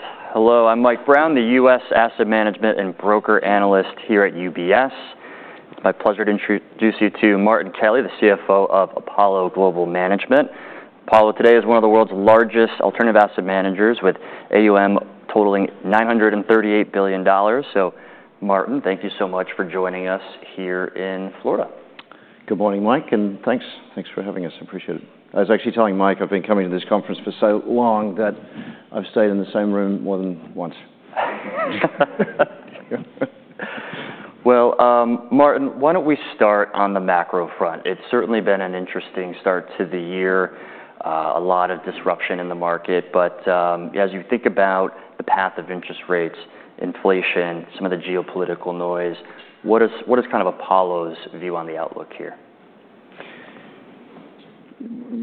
All right. Hello. I'm Mike Brown, the U.S. Asset Management and Broker Analyst here at UBS. It's my pleasure to introduce you to Martin Kelly, the CFO of Apollo Global Management. Apollo today is one of the world's largest alternative asset managers, with AUM totaling $938 billion. So Martin, thank you so much for joining us here in Florida. Good morning, Mike. And thanks, thanks for having us. I appreciate it. I was actually telling Mike, I've been coming to this conference for so long that I've stayed in the same room more than once. Martin, why don't we start on the macro front? It's certainly been an interesting start to the year. A lot of disruption in the market. But, as you think about the path of interest rates, inflation, some of the geopolitical noise, what is what is Apollo's view on the outlook here?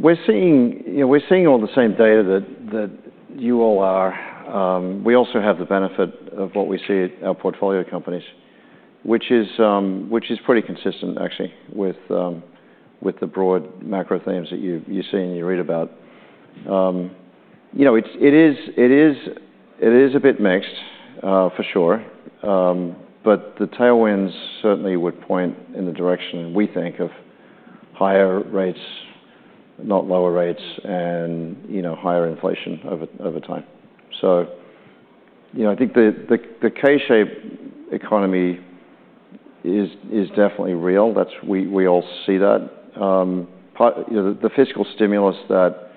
We're seeing, you know, all the same data that you all are. We also have the benefit of what we see at our portfolio companies, which is pretty consistent, actually, with the broad macro themes that you see and you read about. You know, it is a bit mixed, for sure. But the tailwinds certainly would point in the direction, we think, of higher rates, not lower rates, and, you know, higher inflation over time. So, you know, I think the K-shaped economy is definitely real. That's, we all see that. But you know, the Ffiscal stimulus that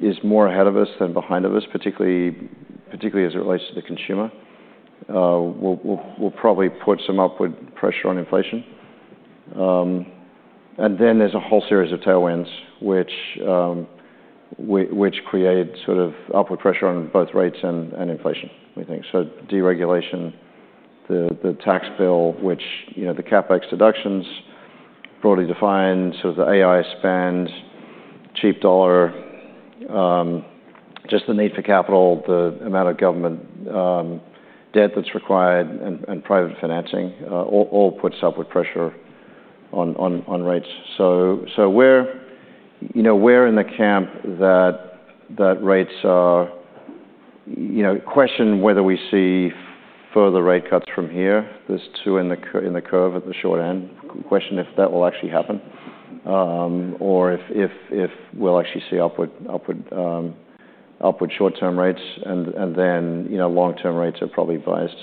is more ahead of us than behind us, particularly as it relates to the consumer, will probably put some upward pressure on inflation. And then there's a whole series of tailwinds which, which create upward pressure on both rates and, and inflation, we think. So deregulation, the, the tax bill, which, you know, the CapEx deductions, broadly defined, the AI spend, cheap dollar, just the need for capital, the amount of government, debt that's required, and, and private financing, all, all puts upward pressure on, on, on rates. So, so we're, you know, we're in the camp that, that rates are you know, question whether we see further rate cuts from here. There's two in the curve at the short end. Question if that will actually happen, or if, if, if we'll actually see upward, upward, upward short-term rates. And, and then, you know, long-term rates are probably biased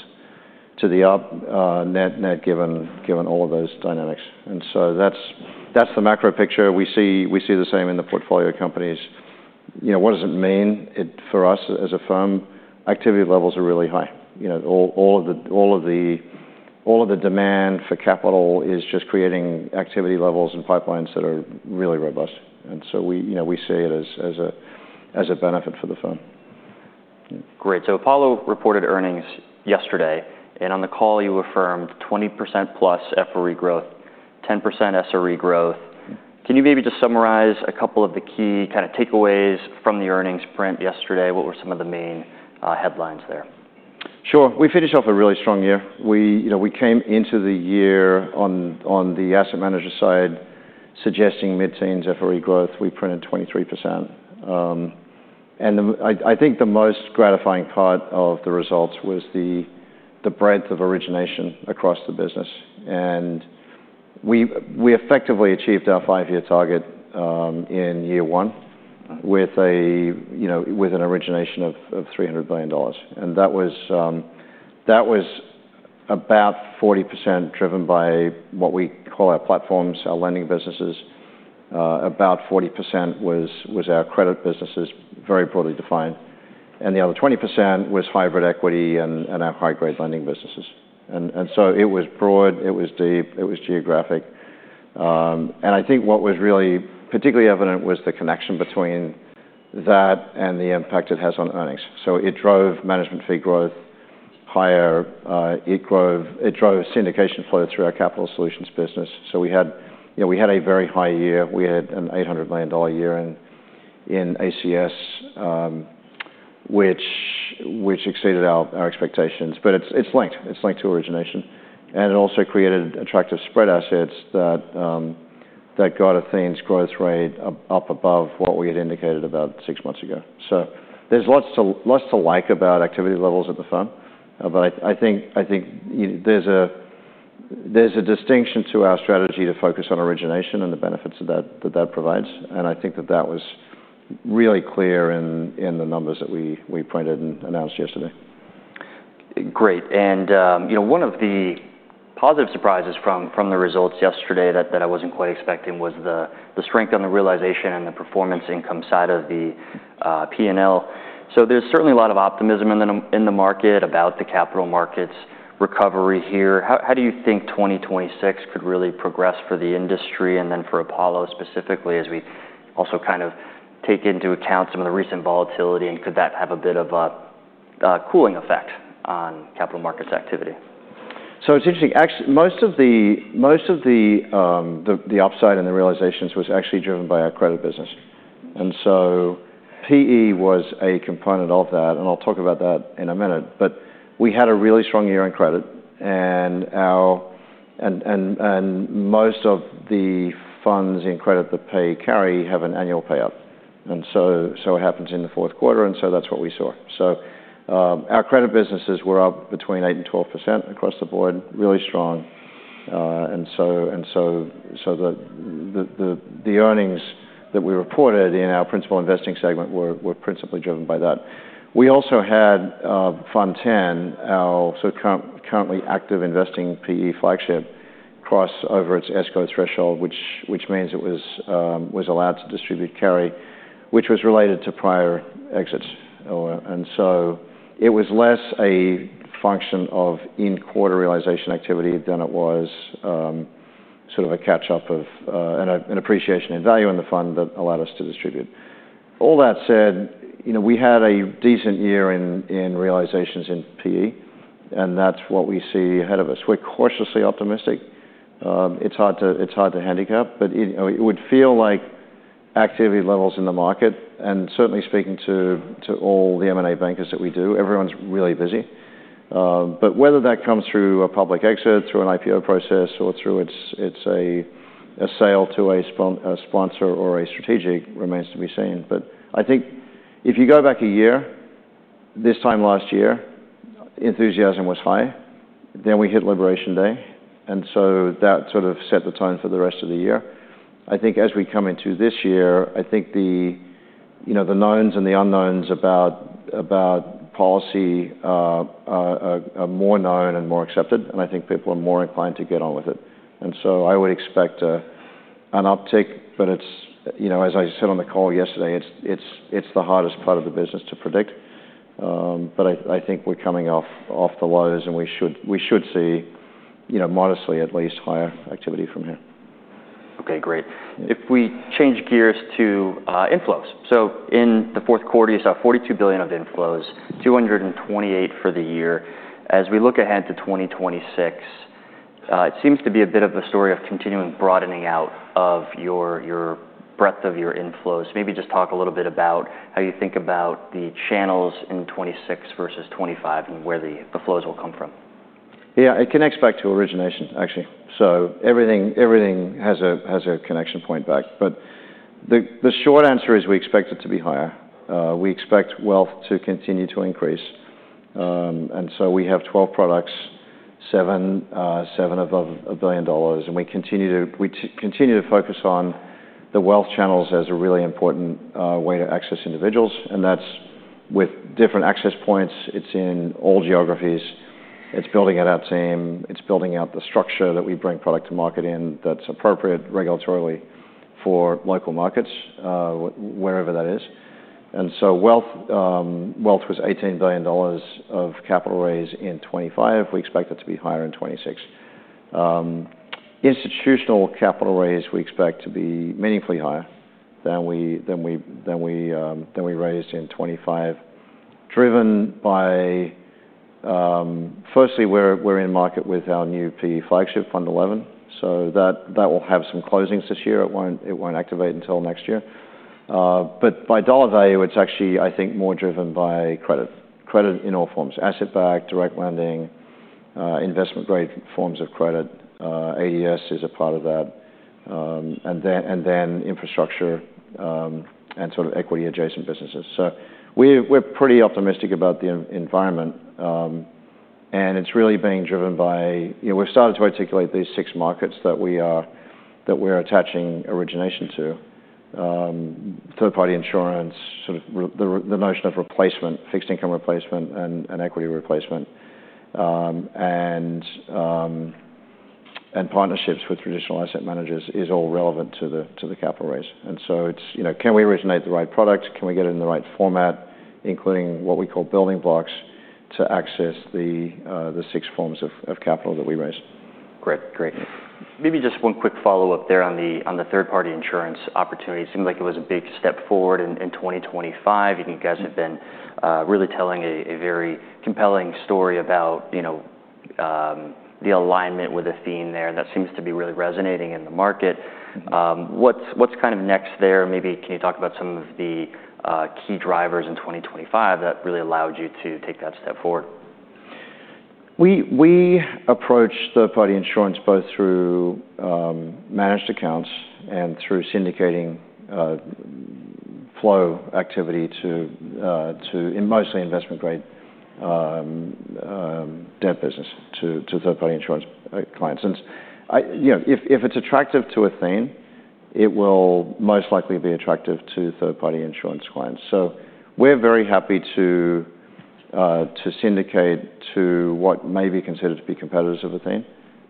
to the up, net, net given, given all of those dynamics. And so that's the macro picture. We see the same in the portfolio companies. You know, what does it mean? It for us, as a firm, activity levels are really high. You know, all of the demand for capital is just creating activity levels and pipelines that are really robust. And so we, you know, we see it as a benefit for the firm. Great. So Apollo reported earnings yesterday. On the call, you affirmed 20%+ FRE growth, 10% SRE growth. Can you maybe just summarize a couple of the key kinda takeaways from the earnings print yesterday? What were some of the main headlines there? Sure. We finished off a really strong year. We, you know, we came into the year on, on the asset manager side suggesting mid-teens FRE growth. We printed 23%. And the, I, I think the most gratifying part of the results was the, the breadth of origination across the business. And we, we effectively achieved our five-year target, in year one with a, you know, with an origination of $300 billion. And that was, that was about 40% driven by what we call our platforms, our lending businesses. About 40% was, was our credit businesses, very broadly defined. And the other 20% was hybrid equity and, and our high-grade lending businesses. And, and so it was broad. It was deep. It was geographic. And I think what was really particularly evident was the connection between that and the impact it has on earnings. So it drove management fee growth higher. It drove syndication flow through our capital solutions business. So we had, you know, a very high year. We had an $800 million year in ACS, which exceeded our expectations. But it's linked to origination. And it also created attractive spread assets that got a teens growth rate up above what we had indicated about six months ago. So there's lots to like about activity levels at the firm. But I think, you know, there's a distinction to our strategy to focus on origination and the benefits that that provides. And I think that was really clear in the numbers that we printed and announced yesterday. Great. You know, one of the positive surprises from the results yesterday that I wasn't quite expecting was the strength on the realization and the performance income side of the P&L. So there's certainly a lot of optimism in the market about the capital markets recovery here. How do you think 2026 could really progress for the industry and then for Apollo specifically, as we also take into account some of the recent volatility? And could that have a bit of a cooling effect on capital markets activity? So it's interesting. Actually, most of the upside and the realizations was actually driven by our credit business. And so PE was a component of that. And I'll talk about that in a minute. But we had a really strong year in credit. And most of the funds in credit that PE carry have an annual payout. And so it happens in the fourth quarter. And so that's what we saw. So, our credit businesses were up between 8%-12% across the board, really strong. And so the earnings that we reported in our principal investing segment were principally driven by that. We also had Fund 10, our current, currently active investing PE flagship, cross over its escrow threshold, which means it was allowed to distribute carry, which was related to prior exits. And so it was less a function of in-quarter realization activity than it was a catch-up of an appreciation in value in the fund that allowed us to distribute. All that said, you know, we had a decent year in realizations in PE. And that's what we see ahead of us. We're cautiously optimistic. It's hard to handicap. But it, you know, it would feel like activity levels in the market and certainly speaking to all the M&A bankers that we do, everyone's really busy. But whether that comes through a public exit, through an IPO process, or through it, it's a sale to a sponsor or a strategic remains to be seen. But I think if you go back a year, this time last year, enthusiasm was high. Then we hit Labor Day. And so that set the tone for the rest of the year. I think as we come into this year, I think the, you know, the knowns and the unknowns about policy are more known and more accepted. And I think people are more inclined to get on with it. And so I would expect an uptick. But it's, you know, as I said on the call yesterday, it's the hardest part of the business to predict. But I think we're coming off the lows. We should see, you know, modestly at least, higher activity from here. Okay. Great. If we change gears to inflows. So in the fourth quarter, you saw $42 billion of inflows, $228 billion for the year. As we look ahead to 2026, it seems to be a bit of a story of continuing broadening out of your, your breadth of your inflows. Maybe just talk a little bit about how you think about the channels in 2026 versus 2025 and where the, the flows will come from. It connects back to origination, actually. So everything has a connection point back. But the short answer is we expect it to be higher. We expect wealth to continue to increase. And so we have 12 products, 7 above $1 billion. And we continue to focus on the wealth channels as a really important way to access individuals. And that's with different access points. It's in all geographies. It's building out our team. It's building out the structure that we bring product to market in that's appropriate regulatorily for local markets, wherever that is. And so wealth was $18 billion of capital raise in 2025. We expect it to be higher in 2026. institutional capital raise, we expect to be meaningfully higher than we raised in 2025, driven by, firstly, we're in market with our new PE flagship, Fund 11. So that will have some closings this year. It won't activate until next year. But by dollar value, it's actually, I think, more driven by credit in all forms, asset-backed, direct lending, investment-grade forms of credit. ADS is a part of that. And then infrastructure, and equity-adjacent businesses. So we're pretty optimistic about the environment. And it's really being driven by you know, we've started to articulate these six markets that we're attaching origination to, third-party insurance, the, the notion of replacement, fixed income replacement, and equity replacement. and partnerships with traditional asset managers is all relevant to the capital raise. And so it's, you know, can we originate the right product? Can we get it in the right format, including what we call building blocks, to access the six forms of capital that we raise? Great. Great. Maybe just one quick follow-up there on the third-party insurance opportunity. It seemed like it was a big step forward in 2025. I think you guys have been really telling a very compelling story about, you know, the alignment with a theme there. And that seems to be really resonating in the market. What's next there? Maybe can you talk about some of the key drivers in 2025 that really allowed you to take that step forward? We approach third-party insurance both through managed accounts and through syndicating flow activity to in mostly investment-grade debt business to third-party insurance clients. And, you know, if it's attractive to Athene, it will most likely be attractive to third-party insurance clients. So we're very happy to syndicate to what may be considered to be a competitor to Athene.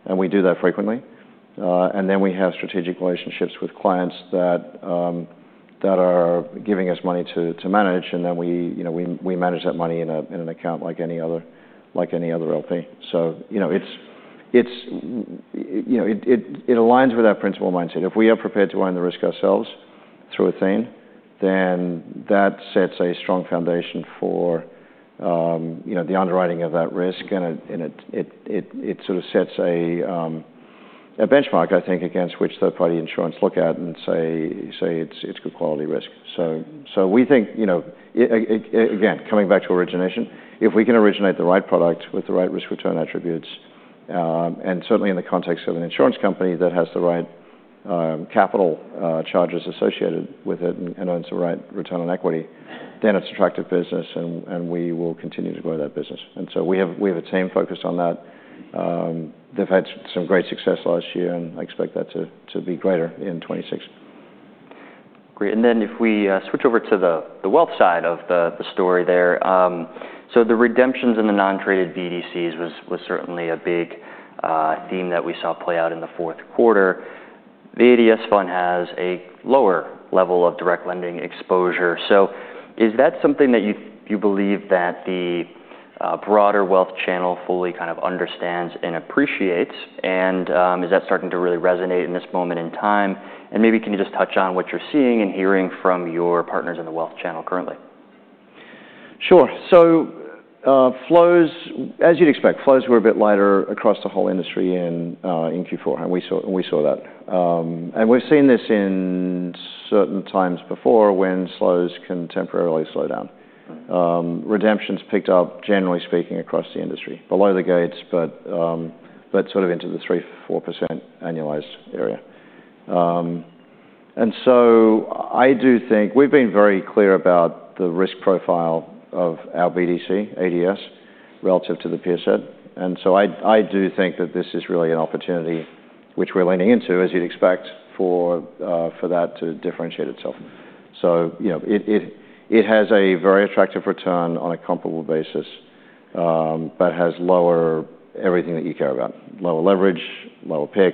And we do that frequently. And then we have strategic relationships with clients that are giving us money to manage. And then we, you know, we manage that money in an account like any other LP. So, you know, it aligns with our principal mindset. If we are prepared to own the risk ourselves through Athene, then that sets a strong foundation for, you know, the underwriting of that risk. It sets a benchmark, I think, against which third-party insurance look at and say it's good quality risk. So we think, you know, again, coming back to origination, if we can originate the right product with the right risk-return attributes, and certainly in the context of an insurance company that has the right capital charges associated with it and earns the right return on equity, then it's attractive business. And we will continue to grow that business. And so we have a team focused on that. They've had some great success last year. And I expect that to be greater in 2026. Great. And then if we switch over to the wealth side of the story there, so the redemptions in the non-traded BDCs was certainly a big theme that we saw play out in the fourth quarter. The ADS fund has a lower level of direct lending exposure. So is that something that you believe that the broader wealth channel fully understands and appreciates? And is that starting to really resonate in this moment in time? And maybe can you just touch on what you're seeing and hearing from your partners in the wealth channel currently? Sure. So, flows as you'd expect, flows were a bit lighter across the whole industry in Q4. And we saw that. And we've seen this in certain times before when flows can temporarily slow down. Redemptions picked up, generally speaking, across the industry, below the gates, but into the 3%-4% annualized area. And so I do think we've been very clear about the risk profile of our BDC, ADS, relative to the peer set. And so I do think that this is really an opportunity which we're leaning into, as you'd expect, for that to differentiate itself. So, you know, it has a very attractive return on a comparable basis, but has lower everything that you care about, lower leverage, lower PIK,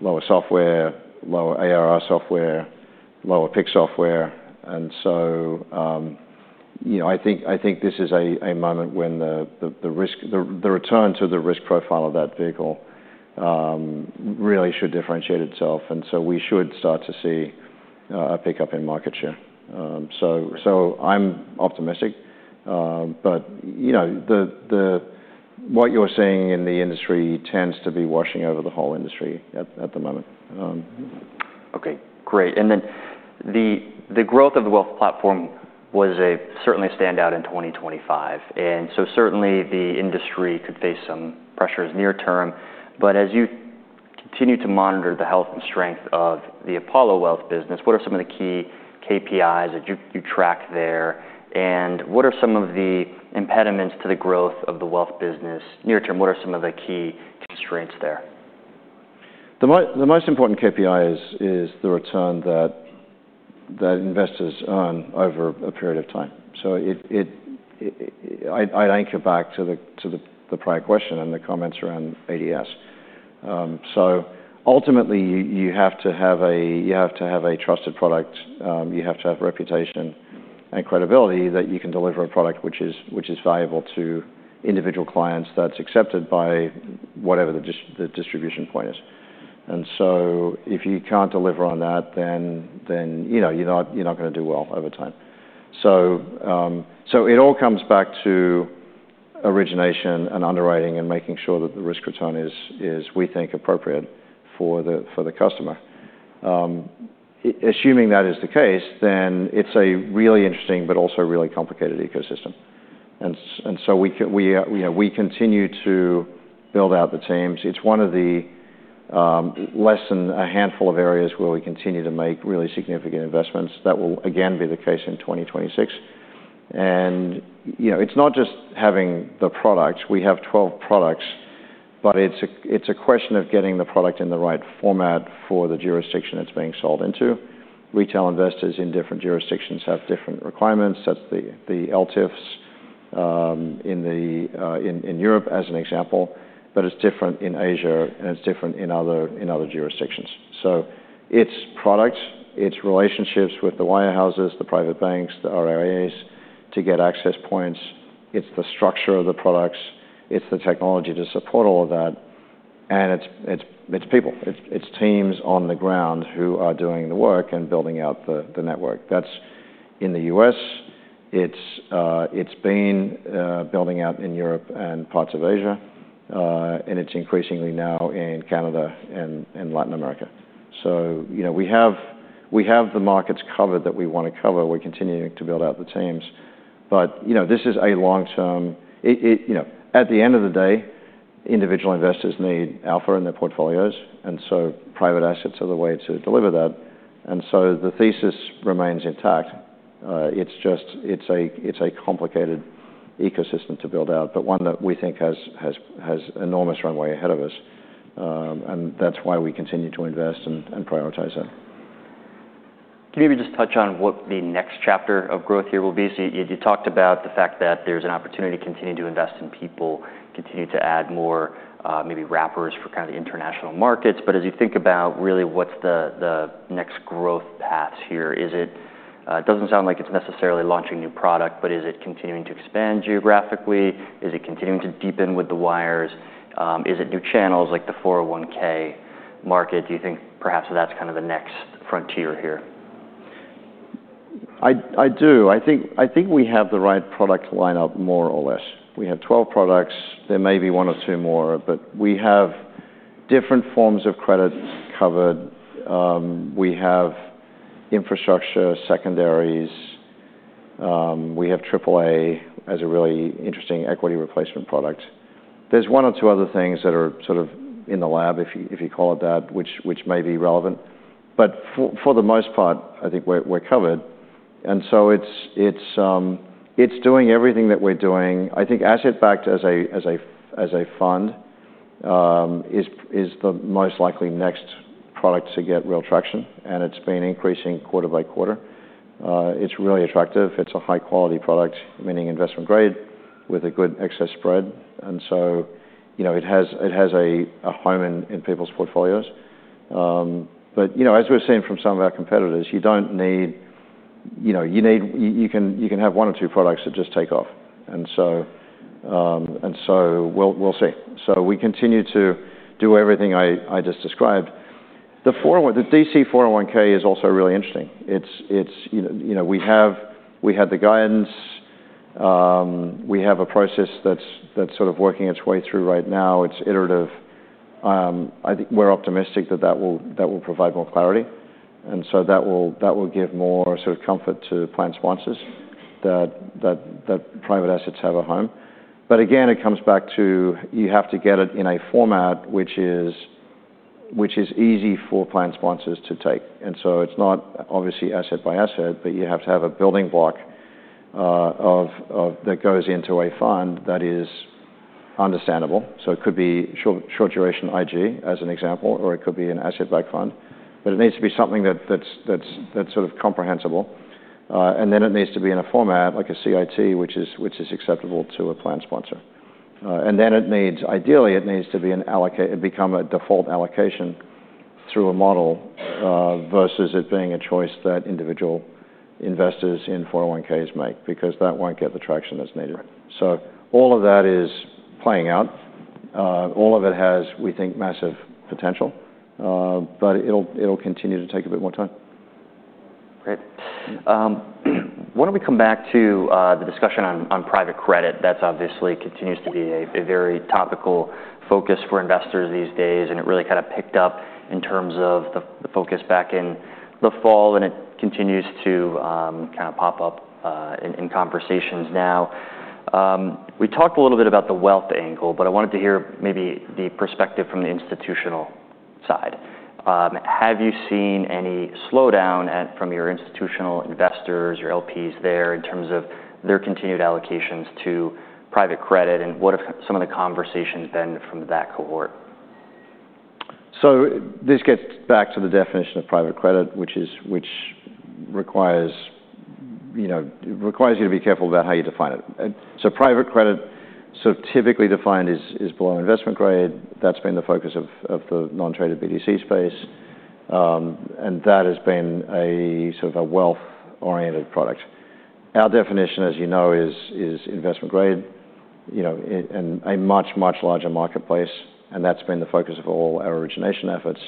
lower software, lower ARR software, lower PIK software. You know, I think this is a moment when the risk-return profile of that vehicle really should differentiate itself. So we should start to see a pickup in market share. So I'm optimistic. But you know, what you're seeing in the industry tends to be washing over the whole industry at the moment. Okay. Great. And then the growth of the wealth platform was certainly a standout in 2025. And so certainly, the industry could face some pressures near term. But as you continue to monitor the health and strength of the Apollo wealth business, what are some of the key KPIs that you track there? And what are some of the impediments to the growth of the wealth business near term? What are some of the key constraints there? The most important KPI is the return that investors earn over a period of time. So I'd anchor back to the prior question and the comments around ADS. So ultimately, you have to have a trusted product. You have to have reputation and credibility that you can deliver a product which is valuable to individual clients that's accepted by whatever the distribution point is. And so if you can't deliver on that, then, you know, you're not gonna do over time. So it all comes back to origination and underwriting and making sure that the risk return is, we think, appropriate for the customer. Assuming that is the case, then it's a really interesting but also really complicated ecosystem. So we are, you know, we continue to build out the teams. It's one of the, less than a handful of areas where we continue to make really significant investments. That will, again, be the case in 2026. And, you know, it's not just having the products. We have 12 products. But it's a question of getting the product in the right format for the jurisdiction it's being sold into. Retail investors in different jurisdictions have different requirements. That's the LTIFs, in Europe, as an example. But it's different in Asia. And it's different in other jurisdictions. So it's products, it's relationships with the wirehouses, the private banks, the RIAs to get access points, it's the structure of the products, it's the technology to support all of that. And it's people. It's teams on the ground who are doing the work and building out the network. That's in the U.S. It's been building out in Europe and parts of Asia. And it's increasingly now in Canada and Latin America. So, you know, we have the markets covered that we wanna cover. We're continuing to build out the teams. But, you know, this is a long-term it. It you know, at the end of the day, individual investors need alpha in their portfolios. And so private assets are the way to deliver that. And so the thesis remains intact. It's just a complicated ecosystem to build out, but one that we think has enormous runway ahead of us. And that's why we continue to invest and prioritize that. Can you maybe just touch on what the next chapter of growth here will be? So you talked about the fact that there's an opportunity to continue to invest in people, continue to add more, maybe wrappers for the international markets. But as you think about, really, what's the next growth paths here? Is it, it doesn't sound like it's necessarily launching new product. But is it continuing to expand geographically? Is it continuing to deepen with the wires? Is it new channels like the 401(k) market? Do you think perhaps that's the next frontier here? I do. I think we have the right product lineup more or less. We have 12 products. There may be one or two more. But we have different forms of credit covered. We have infrastructure, secondaries. We have AAA as a really interesting equity replacement product. There's one or two other things that are in the lab, if you call it that, which may be relevant. But for the most part, I think we're covered. And so it's doing everything that we're doing. I think asset-backed as a fund is the most likely next product to get real traction. And it's been increasing quarter by quarter. It's really attractive. It's a high-quality product, meaning investment-grade with a good excess spread. You know, it has a home in people's portfolios. But, you know, as we've seen from some of our competitors, you don't need—you know—you can have one or two products that just take off. And so we'll see. So we continue to do everything I just described. The 401(k) DC is also really interesting. It's, you know, we had the guidance. We have a process that's working its way through right now. It's iterative. I think we're optimistic that that will provide more clarity. And so that will give more comfort to plan sponsors that private assets have a home. But again, it comes back to you have to get it in a format which is easy for plan sponsors to take. And so it's not, obviously, asset by asset. But you have to have a building block, of, of that goes into a fund that is understandable. So it could be short-duration IG, as an example. Or it could be an asset-backed fund. But it needs to be something that's comprehensible. And then it needs to be in a format like a CIT, which is acceptable to a plan sponsor. And then it needs ideally to become a default allocation through a model, versus it being a choice that individual investors in 401(k)s make because that won't get the traction that's needed. So all of that is playing out. All of it has, we think, massive potential. But it'll continue to take a bit more time. Great. Why don't we come back to the discussion on private credit? That's obviously continues to be a very topical focus for investors these days. It really picked up in terms of the focus back in the fall. It continues to pop up in conversations now. We talked a little bit about the wealth angle. But I wanted to hear maybe the perspective from the institutional side. Have you seen any slowdown at from your institutional investors, your LPs there in terms of their continued allocations to private credit? And what have some of the conversations been from that cohort? So this gets back to the definition of private credit, which requires you know to be careful about how you define it. And so private credit typically defined is below Investment Grade. That's been the focus of the non-traded BDC space, and that has been a wealth-oriented product. Our definition, as you know, is Investment Grade, you know, IG and a much, much larger marketplace. And that's been the focus of all our origination efforts.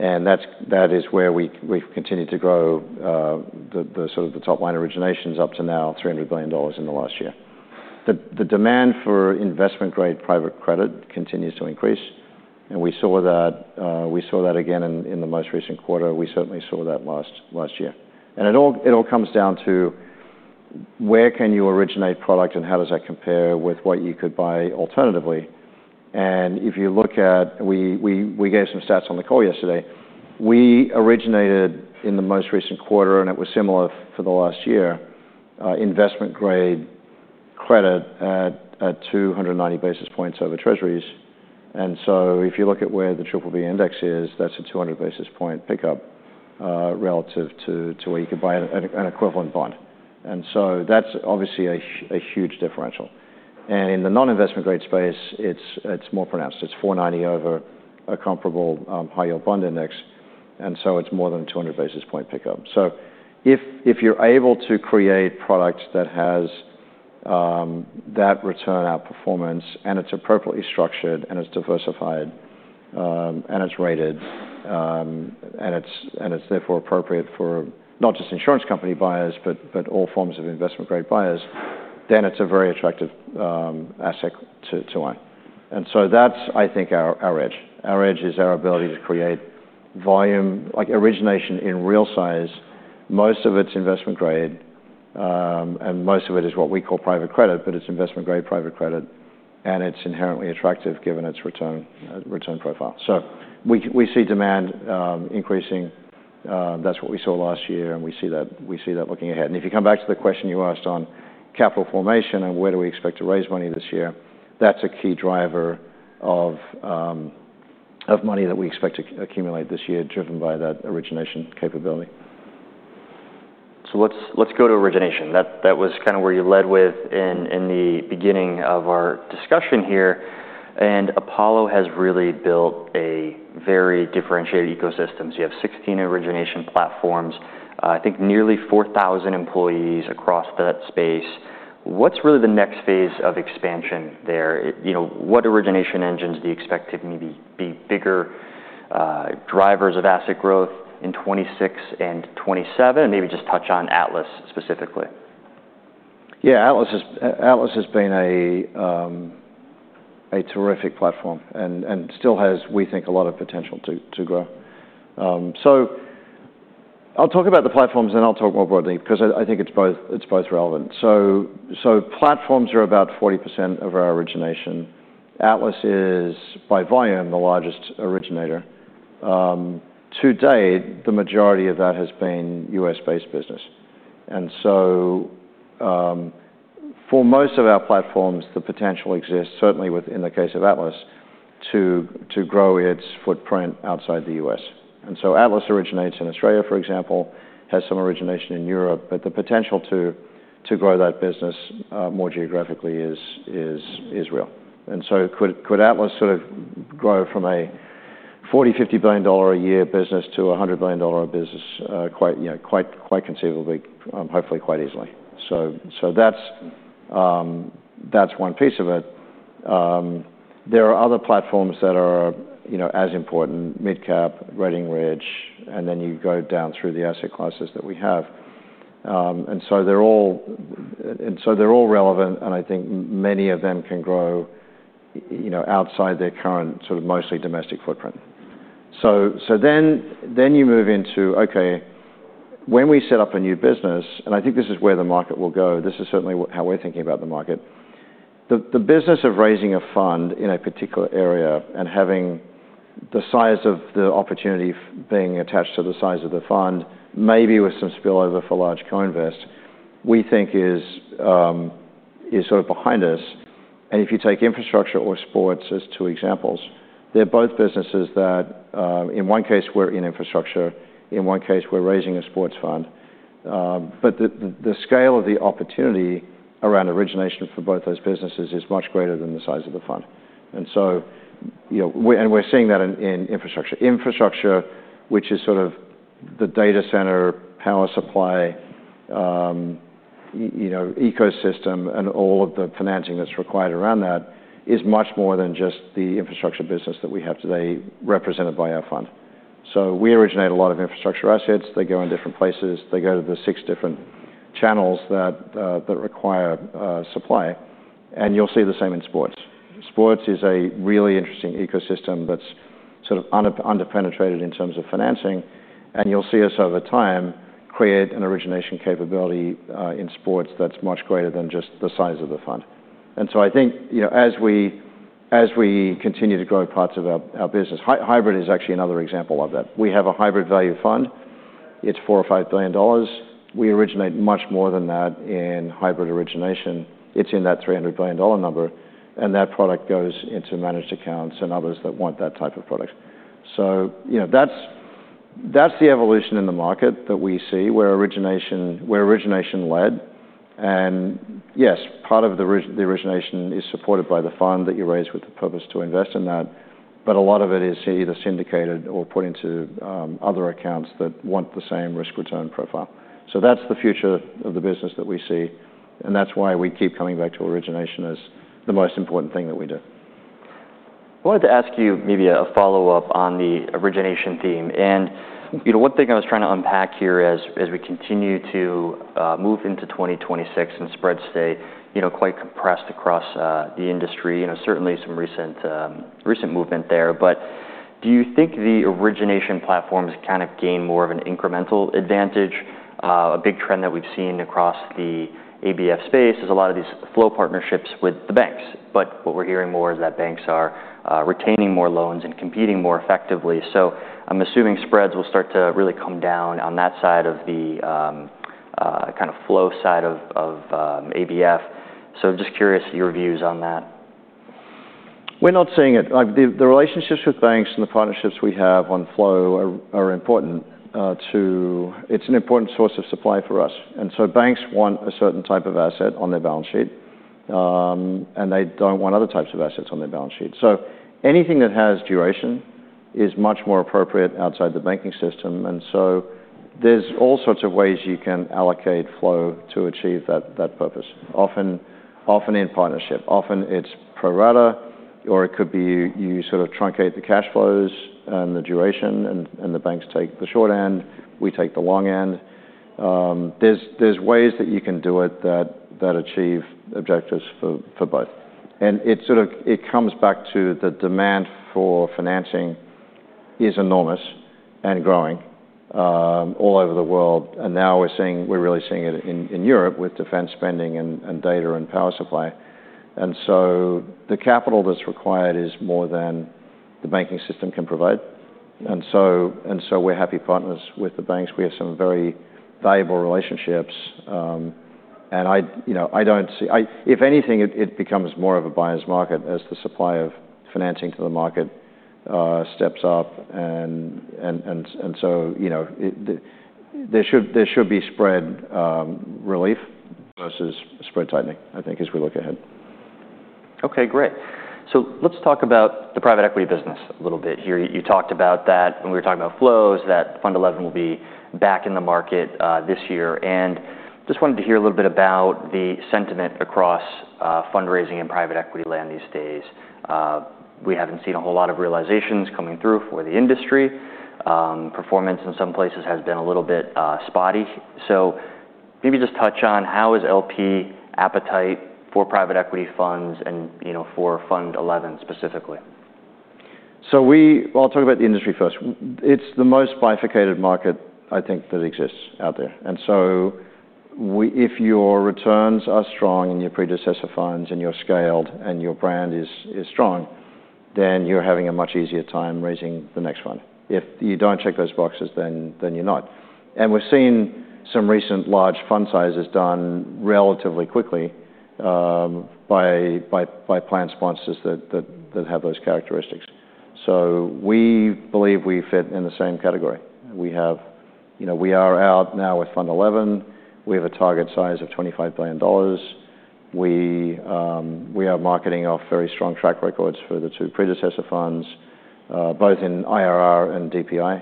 And that is where we've continued to grow the top-line originations up to now, $300 billion in the last year. The demand for Investment Grade private credit continues to increase. And we saw that again in the most recent quarter. We certainly saw that last year. It all comes down to where can you originate product? And how does that compare with what you could buy alternatively? And if you look at, we gave some stats on the call yesterday. We originated in the most recent quarter. And it was similar for the last year, investment-grade credit at 290 basis points over treasuries. And so if you look at where the BBB index is, that's a 200 basis point pickup, relative to where you could buy an equivalent bond. And so that's, obviously, a huge differential. And in the non-investment-grade space, it's more pronounced. It's 490 over a comparable, high-yield bond index. And so it's more than a 200 basis point pickup. So if you're able to create products that has that return outperformance, and it's appropriately structured, and it's diversified, and it's rated, and it's therefore appropriate for not just insurance company buyers but all forms of investment-grade buyers, then it's a very attractive asset to earn. And so that's, I think, our edge. Our edge is our ability to create volume like origination in real size, most of it's investment grade. And most of it is what we call private credit. But it's investment-grade private credit. And it's inherently attractive given its return profile. So we see demand increasing. That's what we saw last year. And we see that looking ahead. If you come back to the question you asked on capital formation and where do we expect to raise money this year, that's a key driver of money that we expect to accumulate this year driven by that origination capability. So let's go to origination. That was where you led with in the beginning of our discussion here. And Apollo has really built a very differentiated ecosystem. So you have 16 origination platforms, I think, nearly 4,000 employees across that space. What's really the next phase of expansion there? You know, what origination engines do you expect to maybe be bigger drivers of asset growth in 2026 and 2027? And maybe just touch on Atlas specifically. Atlas has been a terrific platform and still has, we think, a lot of potential to grow. So I'll talk about the platforms. And I'll talk more broadly because I think it's both relevant. So platforms are about 40% of our origination. Atlas is, by volume, the largest originator. Today, the majority of that has been U.S.-based business. And so, for most of our platforms, the potential exists, certainly in the case of Atlas, to grow its footprint outside the U.S. And so Atlas originates in Australia, for example, and has some origination in Europe. But the potential to grow that business more geographically is real. And so could, could Atlas grow from a $40-$50 billion a year business to a $100 billion a business, quite you know, quite, quite conceivably, hopefully, quite easily? So, so that's, that's one piece of it. There are other platforms that are, you know, as important, MidCap, Redding Ridge. And then you go down through the asset classes that we have. And so they're all a-and so they're all relevant. And I think many of them can grow, y-you know, outside their current mostly domestic footprint. So, so then, then you move into, okay, when we set up a new business and I think this is where the market will go. This is certainly the way we're thinking about the market. The business of raising a fund in a particular area and having the size of the opportunity of being attached to the size of the fund, maybe with some spillover for large co-invest, we think is behind us. And if you take infrastructure or sports as two examples, they're both businesses that, in one case, we're in infrastructure. In one case, we're raising a sports fund. But the scale of the opportunity around origination for both those businesses is much greater than the size of the fund. And so, you know, we're seeing that in infrastructure. Infrastructure, which is the data center, power supply, you know, ecosystem, and all of the financing that's required around that, is much more than just the infrastructure business that we have today represented by our fund. So we originate a lot of infrastructure assets. They go in different places. They go to the six different channels that require supply. And you'll see the same in sports. Sports is a really interesting ecosystem that's underpenetrated in terms of financing. And you'll see us, over time, create an origination capability in sports that's much greater than just the size of the fund. And so I think, you know, as we continue to grow parts of our business, hybrid is actually another example of that. We have a hybrid value fund. It's $4-$5 billion. We originate much more than that in hybrid origination. It's in that $300 billion number. And that product goes into managed accounts and others that want that type of product. So, you know, that's the evolution in the market that we see, where origination led. And yes, part of the origination is supported by the fund that you raise with the purpose to invest in that. But a lot of it is either syndicated or put into other accounts that want the same risk-return profile. So that's the future of the business that we see. And that's why we keep coming back to origination as the most important thing that we do. I'd like to ask you maybe a follow-up on the origination theme. You know, one thing I was trying to unpack here as we continue to move into 2026 and spreads stay quite compressed across the industry, you know, certainly some recent movement there. But do you think the origination platforms gain more of an incremental advantage? A big trend that we've seen across the ABF space is a lot of these flow partnerships with the banks. But what we're hearing more is that banks are retaining more loans and competing more effectively. So I'm assuming spreads will start to really come down on that side of the flow side of ABF. So just curious your views on that. We're not saying it. Like, the relationships with banks and the partnerships we have on flow are important. It's an important source of supply for us. And so banks want a certain type of asset on their balance sheet, and they don't want other types of assets on their balance sheet. So anything that has duration is much more appropriate outside the banking system. And so there's all sorts of ways you can allocate flow to achieve that purpose, often in partnership. Often, it's pro rata. Or it could be you truncate the cash flows and the duration. And the banks take the short end. We take the long end. There's ways that you can do it that achieve objectives for both. It comes back to the demand for financing is enormous and growing, all over the world. Now, we're really seeing it in Europe with defense spending and data and power supply. So the capital that's required is more than the banking system can provide. So we're happy partners with the banks. We have some very valuable relationships. And I, you know, don't see – if anything, it becomes more of a buyer's market as the supply of financing to the market steps up. And so, you know, there should be spread relief versus spread tightening, I think, as we look ahead. Okay. Great. So let's talk about the private equity business a little bit here. You talked about that when we were talking about flows, that Fund 11 will be back in the market, this year. And just wanted to hear a little bit about the sentiment across fundraising and private equity land these days. We haven't seen a whole lot of realizations coming through for the industry. Performance in some places has been a little bit spotty. So maybe just touch on how is LP appetite for private equity funds and, you know, for Fund 11 specifically? So, I'll talk about the industry first. it's the most bifurcated market, I think, that exists out there. And so, if your returns are strong in your predecessor funds and you're scaled and your brand is strong, then you're having a much easier time raising the next fund. If you don't check those boxes, then you're not. And we've seen some recent large fund sizes done relatively quickly, by plan sponsors that have those characteristics. So we believe we fit in the same category. We have, you know, we are out now with Fund 11. We have a target size of $25 billion. We are marketing off very strong track records for the two predecessor funds, both in IRR and DPI.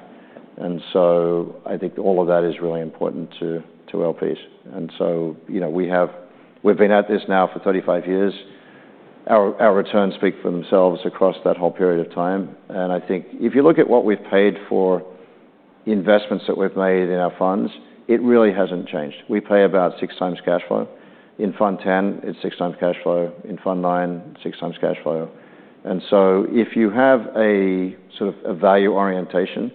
And so I think all of that is really important to LPs. And so, you know, we've been at this now for 35 years. Our returns speak for themselves across that whole period of time. And I think if you look at what we've paid for investments that we've made in our funds, it really hasn't changed. We pay about 6x cash flow. In Fund 10, it's 6x cash flow. In Fund 9, 6x cash flow. And so if you have a value orientation,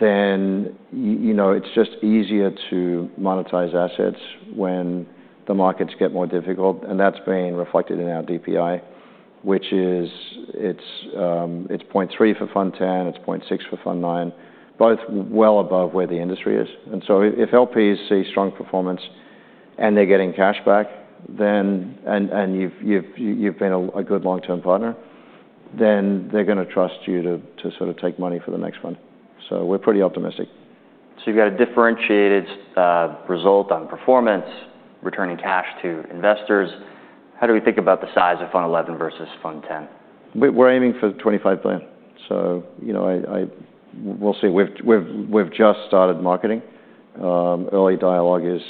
then, you know, it's just easier to monetize assets when the markets get more difficult. And that's been reflected in our DPI, which is it's 0.3 for Fund 10. It's 0.6 for Fund 9, both above where the industry is. And so if LPs see strong performance, and they're getting cash back, then, and you've been a good long-term partner, then they're gonna trust you to take money for the next fund. So we're pretty optimistic. So you've got a differentiated result on performance, returning cash to investors. How do we think about the size of Fund 11 versus Fund 10? We're aiming for $25 billion. So, you know, we'll see. We've just started marketing. Early dialogue is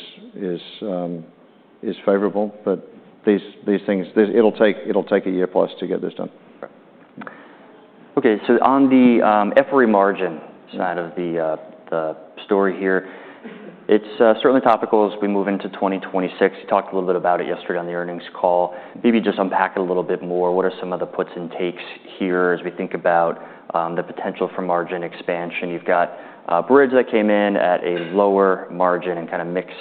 favorable. But these things, it'll take a year-plus to get this done. Okay. Okay. So on the FRE margin side of the story here, it's certainly topical as we move into 2026. You talked a little bit about it yesterday on the earnings call. Maybe just unpack it a little bit more. What are some of the puts and takes here as we think about the potential for margin expansion? You've got Atlas SP Partners that came in at a lower margin and mixed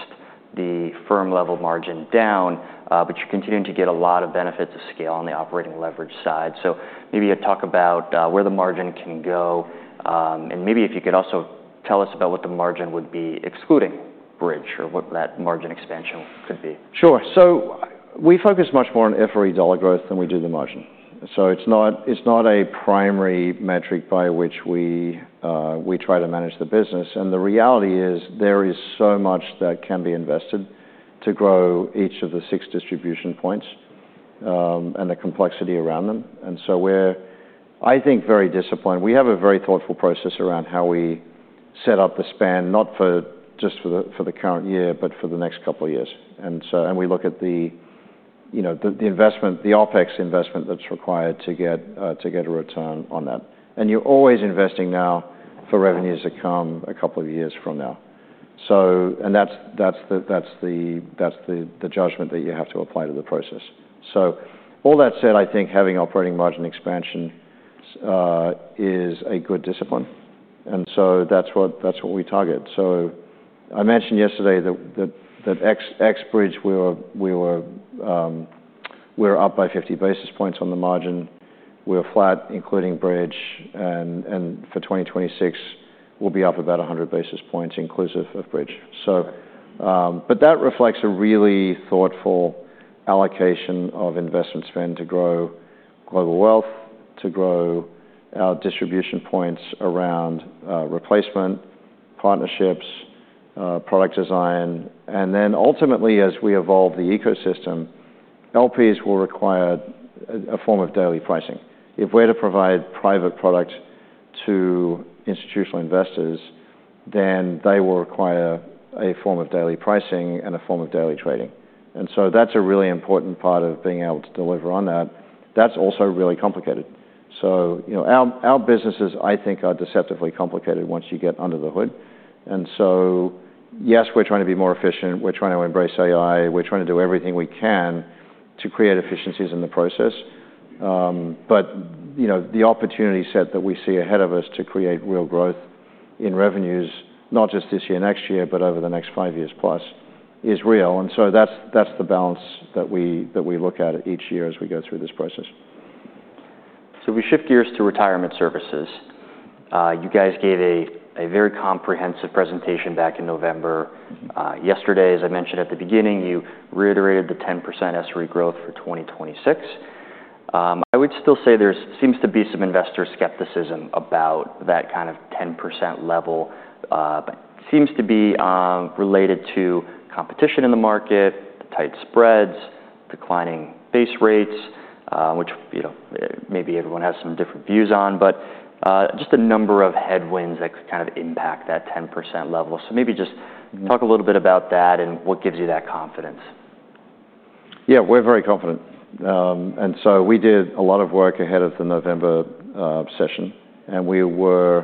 the firm-level margin down. But you're continuing to get a lot of benefits of scale on the operating leverage side. So maybe you'd talk about where the margin can go. And maybe if you could also tell us about what the margin would be excluding Atlas SP Partners or what that margin expansion would be. Sure. So we focus much more on FRE dollar growth than we do the margin. So it's not a primary metric by which we try to manage the business. And the reality is, there is so much that can be invested to grow each of the six distribution points, and the complexity around them. And so we're, I think, very disciplined. We have a very thoughtful process around how we set up the span, not just for the current year but for the next couple of years. And so we look at the, you know, the investment, the OpEx investment that's required to get a return on that. And you're always investing now for revenues to come a couple of years from now. So that's the judgment that you have to apply to the process. So all that said, I think having operating margin expansion is a good discipline. And so that's what we target. So I mentioned yesterday that ex Bridge we were up by 50 basis points on the margin. We were flat, including Bridge. And for 2026, we'll be up about 100 basis points inclusive of Bridge. So but that reflects a really thoughtful allocation of investment spend to grow global wealth, to grow our distribution points around replacement, partnerships, product design. And then ultimately, as we evolve the ecosystem, LPs will require a form of daily pricing. If we're to provide private products to institutional investors, then they will require a form of daily pricing and a form of daily trading. And so that's a really important part of being able to deliver on that. That's also really complicated. So, you know, our businesses, I think, are deceptively complicated once you get under the hood. And so yes, we're trying to be more efficient. We're trying to embrace AI. We're trying to do everything we can to create efficiencies in the process. But, you know, the opportunity set that we see ahead of us to create real growth in revenues, not just this year, next year, but over the next five years plus, is real. And so that's the balance that we look at each year as we go through this process. So if we shift gears to retirement services, you guys gave a very comprehensive presentation back in November. Yesterday, as I mentioned at the beginning, you reiterated the 10% SRE growth for 2026. I would still say there seems to be some investor skepticism about that 10% level, but it seems to be related to competition in the market, tight spreads, declining base rates, which, you know, maybe everyone has some different views on. But just a number of headwinds that impact that 10% level. So maybe just talk a little bit about that and what gives you that confidence. We're very confident. And so we did a lot of work ahead of the November session. And we were,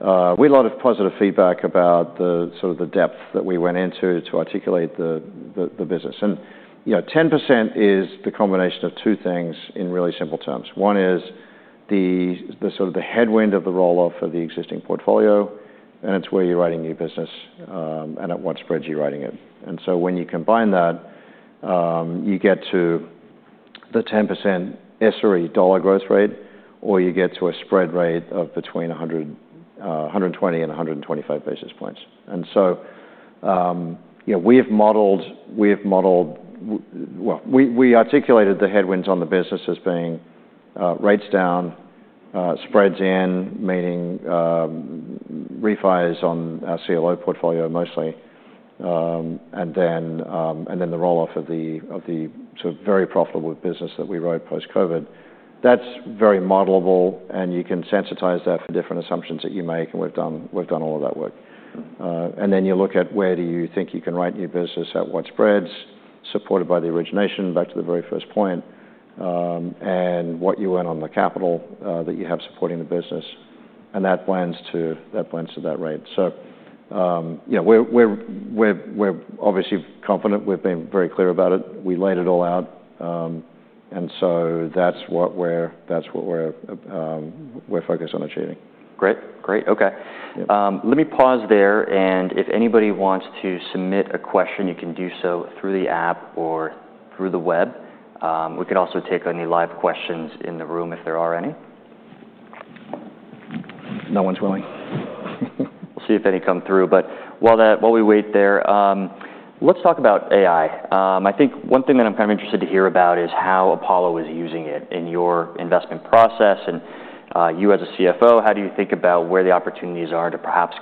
we had a lot of positive feedback about the the depth that we went into to articulate the, the business. And, you know, 10% is the combination of two things in really simple terms. One is the, the headwind of the rolloff of the existing portfolio. And it's where you're writing new business, and at what spread you're writing it. And so when you combine that, you get to the 10% SRE dollar growth rate, or you get to a spread rate of between 100, 120 and 125 basis points. And so, you know, we have modeled, we articulated the headwinds on the business as being rates down, spreads in, meaning refis on our CLO portfolio mostly, and then the rolloff of the sort of very profitable business that we wrote post-COVID. That's very modelable. And you can sensitize that for different assumptions that you make. And we've done all of that work. And then you look at where do you think you can write new business, at what spreads, supported by the origination, back to the very first point, and what you earn on the capital that you have supporting the business. And that blends to that rate. So, you know, we're obviously confident. We've been very clear about it. We laid it all out. So that's what we're focused on achieving. Great. Great. Okay. Let me pause there. If anybody wants to submit a question, you can do so through the app or through the web. We can also take any live questions in the room if there are any. No one's willing. We'll see if any come through. But while we wait there, let's talk about AI. I think one thing that I'm interested to hear about is how Apollo is using it in your investment process. And, you as a CFO, how do you think about where the opportunities are to perhaps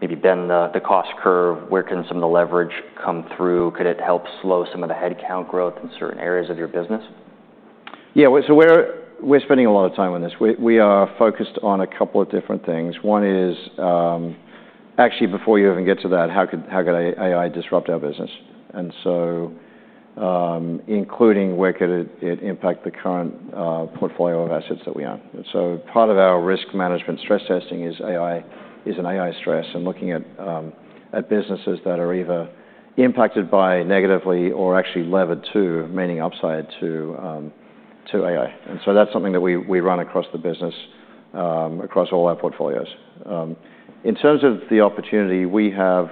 maybe bend the cost curve? Where can some of the leverage come through? Could it help slow some of the headcount growth in certain areas of your business? So we're spending a lot of time on this. We are focused on a couple of different things. One is, actually, before you even get to that, how could AI disrupt our business? And so, including where could it impact the current portfolio of assets that we own? And so part of our risk management stress testing is an AI stress. And looking at businesses that are either impacted by negatively or actually levered to, meaning upside to AI. And so that's something that we run across the business, across all our portfolios. In terms of the opportunity, we have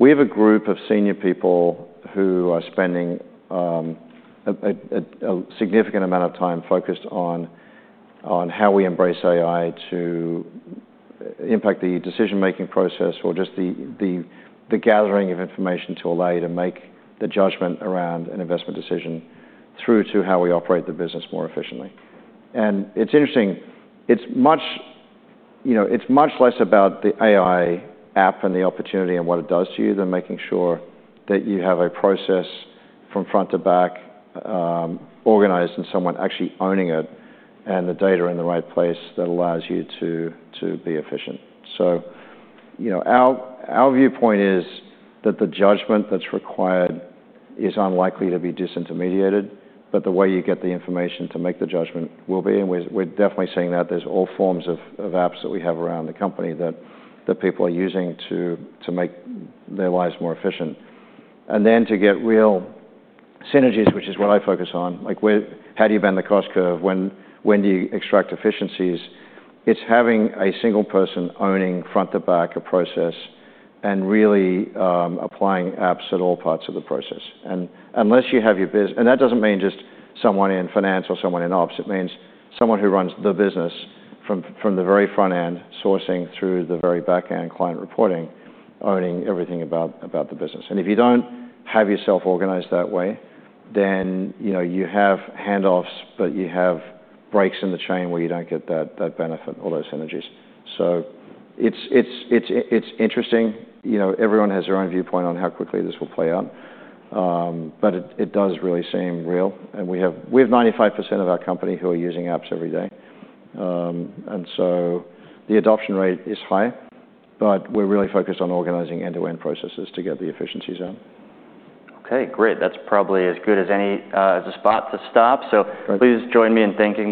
a group of senior people who are spending a significant amount of time focused on how we embrace AI to impact the decision-making process or just the gathering of information to allow you to make the judgment around an investment decision through to how we operate the business more efficiently. And it's interesting. It's much, you know, it's much less about the AI app and the opportunity and what it does to you than making sure that you have a process from front to back, organized and someone actually owning it and the data in the right place that allows you to be efficient. So, you know, our viewpoint is that the judgment that's required is unlikely to be disintermediated. But the way you get the information to make the judgment will be. And we're definitely seeing that. There's all forms of apps that we have around the company that people are using to make their lives more efficient. And then to get real synergies, which is what I focus on, like, where how do you bend the cost curve? When do you extract efficiencies? It's having a single person owning front to back a process and really applying apps at all parts of the process. And unless you have your biz and that doesn't mean just someone in finance or someone in ops. It means someone who runs the business from the very front end, sourcing through the very back end, client reporting, owning everything about the business. If you don't have yourself organized that way, then, you know, you have handoffs, but you have breaks in the chain where you don't get that benefit, all those synergies. So it's interesting. You know, everyone has their own viewpoint on how quickly this will play out. But it does really seem real. And we have 95% of our company who are using apps every day, and so the adoption rate is high. But we're really focused on organizing end-to-end processes to get the efficiencies out. Okay. Great. That's probably as good as any, as a spot to stop. So please join me in thanking.